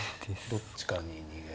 どっちかに逃げる。